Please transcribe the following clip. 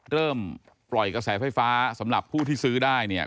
เริ่มปล่อยกระแสไฟฟ้าสำหรับผู้ที่ซื้อได้เนี่ย